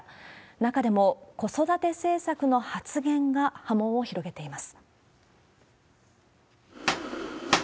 中でも、子育て政策の発言が波紋を広げています。